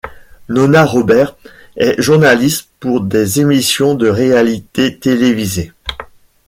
Nona Roberts est journaliste pour des émissions de réalité télévisées.